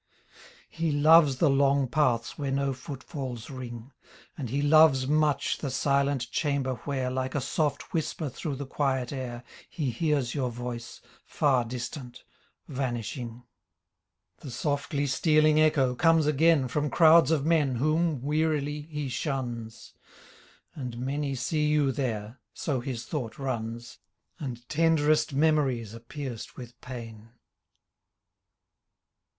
He loves the long paths where no footfalls ring. And he loves much the silent chamber where Like a soft whisper through the quiet air He hears your voice, far distant, vanishing. 19 Maidens, II The softly stealing echo comes again From crowds of men whom, wearily, he shuns; And many see you there — so his thought runs And tenderest memories are pierced with pain.